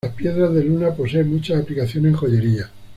La piedra de luna posee muchas aplicaciones en joyería.